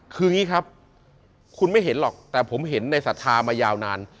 คืออย่างนี้ครับคุณไม่เห็นหรอกแต่ผมเห็นในศรัทธามายาวนาน